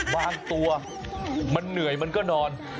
บางตัวมันเหนื่อยมันก็นอน